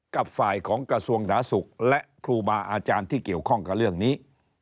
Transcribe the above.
กับฝ่ายของกระทรวงหนาสุขและครูบาอาจารย์ที่เกี่ยวข้องกับเรื่องนี้